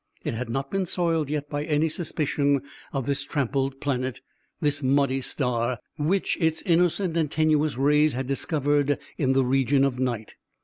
It had not been soiled yet by any suspicion of this trampled planet, this muddy star, which its innocent and tenuous rays had discovered in the region of night.